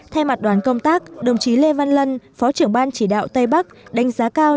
thay mặt đoàn công tác đồng chí lê văn lân phó trưởng ban chỉ đạo tây bắc đánh giá cao